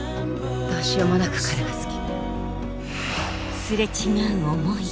どうしようもなく彼が好き。